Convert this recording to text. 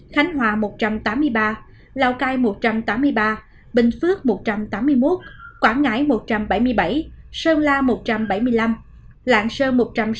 khánh hòa một trăm tám mươi ba lào cai một trăm tám mươi ba bình phước một trăm tám mươi một quảng ngãi một trăm bảy mươi bảy sơn la một trăm bảy mươi năm lạng sơn một trăm sáu mươi bảy